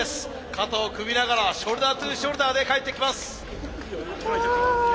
肩を組みながらショルダートゥショルダーで帰ってきます。